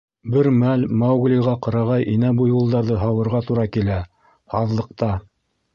Бер мәл Мауглиға ҡырағай инә буйволдарҙы һауырға тура килә. һаҙлыҡта.